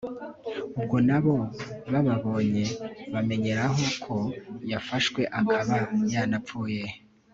ubwo na bo bababonye, bamenyeraho ko yafashwe akaba yanapfuye